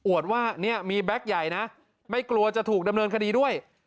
ว่าเนี่ยมีแบ็คใหญ่นะไม่กลัวจะถูกดำเนินคดีด้วย